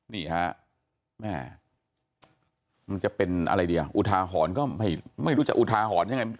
นี่ค่ะมันจะเป็นอะไรดีอ่ะอุทาหอนก็ไม่รู้จักอุทาหอนยังไง